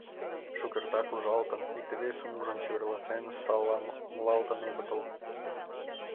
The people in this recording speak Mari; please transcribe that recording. Шукертак ужалтын, икте-весым ужын-чеверласен саламлалтын огытыл...